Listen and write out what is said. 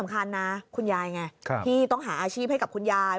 คันนะคุณยายไงที่ต้องหาอาชีพให้กับคุณยาย